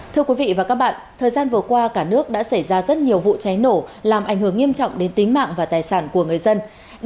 thưa quý vị và các bạn thời gian vừa qua cả nước đã xảy ra rất nhiều vụ cháy nổ làm ảnh hưởng nghiêm trọng đến tính mạng và tài sản của người dân